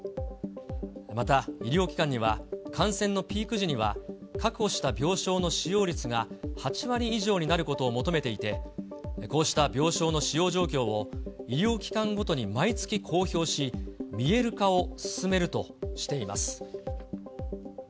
また医療機関には、感染のピーク時には、確保した病床の使用率が８割以上になることを求めていて、こうした病床の使用状況を、医療機関ごとに毎月公表し、見える化を進めるとしています。